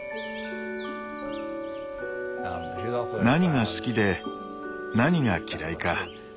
何が好きで何が嫌いか。